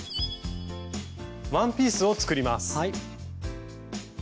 ワンピースを作ります。